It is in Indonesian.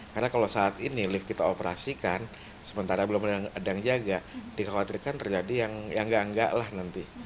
karena kalau saat ini lift kita operasikan sementara belum ada yang jaga dikhawatirkan terjadi yang enggak enggak lah nanti